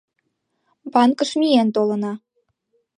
— Банкыш миен толына.